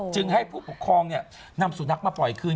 จึงให้ผู้ปกครองนำสุนัขมาปล่อยคืน